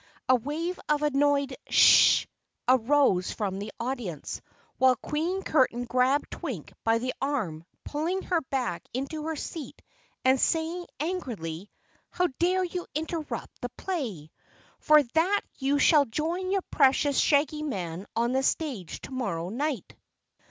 A wave of annoyed "Sshhhhhhs" arose from the audience, while Queen Curtain grabbed Twink by the arm, pulling her back into her seat and saying angrily: "How dare you interrupt the play! For that you shall join your precious Shaggy Man on the stage tomorrow night."